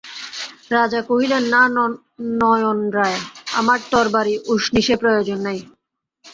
রাজা কহিলেন, না নয়নরায়, আমার তরবারি-উষ্ণীষে প্রয়োজন নাই।